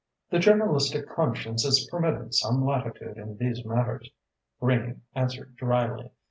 "The journalistic conscience is permitted some latitude in these matters," Greening answered drily.